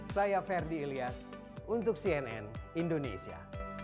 saya ferdi ilyas untuk cnn indonesia